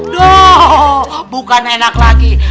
duh bukan enak lagi